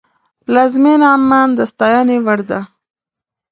پلازمینه عمان د ستاینې وړ ده.